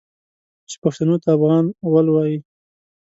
چې پښتنو ته افغان غول وايي.